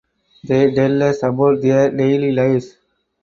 They tell us about their daily lives.